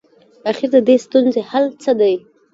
اخر ددې ستونزي حل څه دی؟